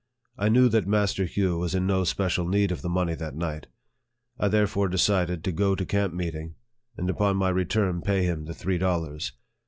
I knew that Master Hugh was in no special need of the money that night, I therefore decided to go to camp meeting, and upon my return pay him the three dollars.